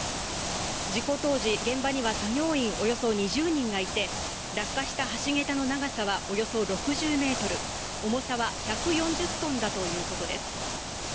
事故当時、現場には作業員およそ２０人がいて、落下した橋げたの長さはおよそ６０ｍ、重さは１４０ｔだということです。